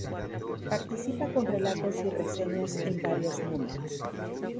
Participa con relatos y reseñas en varios números.